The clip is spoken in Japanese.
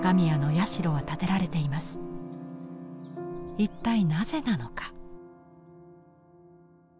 一体なぜなのか。